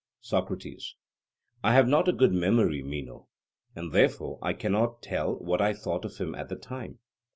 SOCRATES: I have not a good memory, Meno, and therefore I cannot now tell what I thought of him at the time.